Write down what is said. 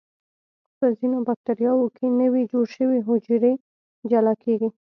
په ځینو بکټریاوو کې نوي جوړ شوي حجرې جلا کیږي.